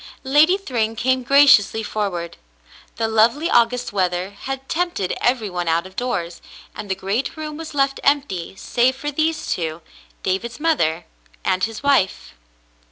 Lady Thryng came graciously forward. The lovely August weather had tempted every one out of doors, and the great room was left empty save for these two, David's mother and his mfe.